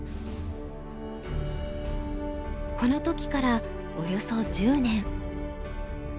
この時からおよそ１０年。